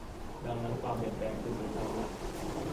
ดังนั้นความเปลี่ยนแปลงคือสัจธรรมล่ะ